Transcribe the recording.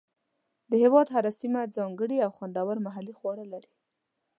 د هېواد هره سیمه ځانګړي او خوندور محلي خواړه لري.